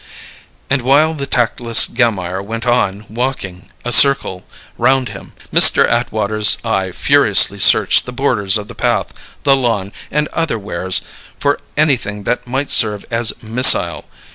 And while the tactless Gammire went on, "walking" a circle round him, Mr. Atwater's eye furiously searched the borders of the path, the lawn, and otherwheres, for anything that might serve as missile.